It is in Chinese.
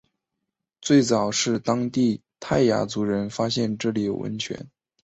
最早是当地泰雅族人发现这里有温泉。